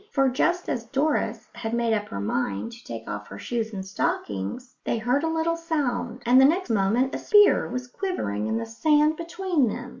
For just as Doris had made up her mind to take off her shoes and stockings, they heard a little sound, and the next moment a spear was quivering in the sand between them.